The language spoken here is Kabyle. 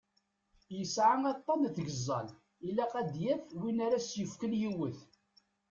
Yesɛa aṭṭan n tgeẓẓal, ilaq ad d-yaf win ara s-yefken yiwet.